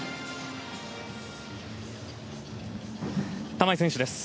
玉井選手です。